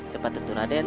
cepat tentu raden